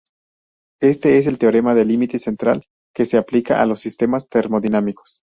Este es el teorema del límite central que se aplica a los sistemas termodinámicos.